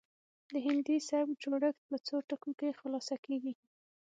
د هندي سبک جوړښت په څو ټکو کې خلاصه کیږي